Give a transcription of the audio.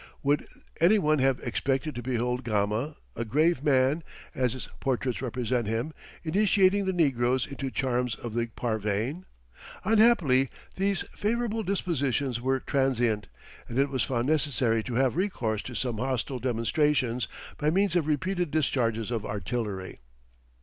Would any one have expected to behold Gama, a grave man, as his portraits represent him, initiating the negroes into the charms of the pavane. Unhappily these favourable dispositions were transient, and it was found necessary to have recourse to some hostile demonstrations by means of repeated discharges of artillery.